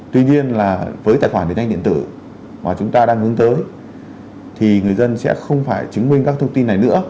tuy nhiên với tài khoản điện tử mà chúng ta đang hướng tới thì người dân sẽ không phải chứng minh các thông tin này nữa